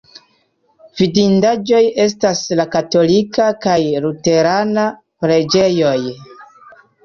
Vidindaĵoj estas la katolika kaj luterana preĝejoj.